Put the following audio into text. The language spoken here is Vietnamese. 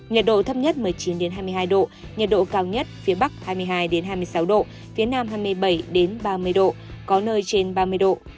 nhiệt độ thấp nhất một mươi chín hai mươi hai độ nhiệt độ cao nhất phía bắc hai mươi hai hai mươi sáu độ phía nam hai mươi bảy ba mươi độ có nơi trên ba mươi độ